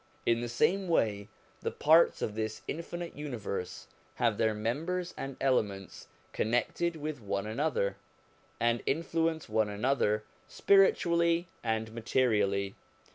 In the same way, the parts of this infinite universe have their members and elements connected with one another, and influence one another spiritually and materially.